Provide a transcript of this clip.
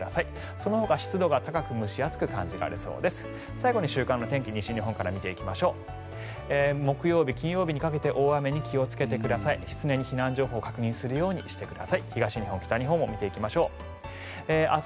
そのほか湿度が高く蒸し暑く感じられそうです。